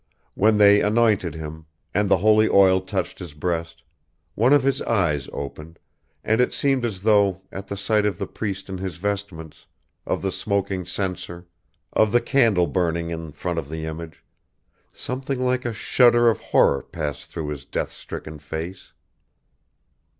When they anointed him, and the holy oil touched his breast, one of his eyes opened, and it seemed as though, at the sight of the priest in his vestments, of the smoking censer, of the candle burning in front of the image, something like a shudder of horror passed through his death stricken face.